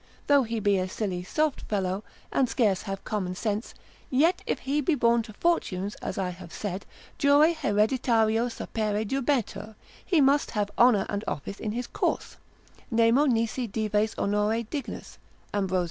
Though he be a silly soft fellow, and scarce have common sense, yet if he be borne to fortunes (as I have said) jure haereditario sapere jubetur, he must have honour and office in his course: Nemo nisi dives honore dignus (Ambros.